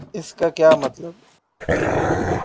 اس کا کیا مطلب؟